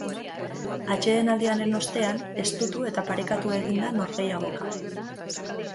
Atsedenaldiaren ostean, estutu eta parekatu egin da norgehiagoka.